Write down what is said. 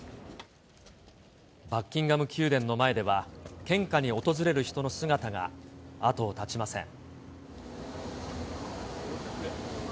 バッキンガム宮殿の前では、献花に訪れる人の姿が後を絶ちません。